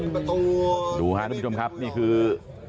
ดูค่ะทุกท่านผู้ชมครับนี่คือ